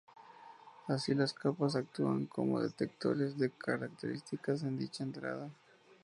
Así, las capas actúan como detectores de características en dicha entrada.